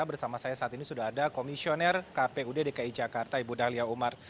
bersama saya saat ini sudah ada komisioner kpud dki jakarta ibu dahlia umar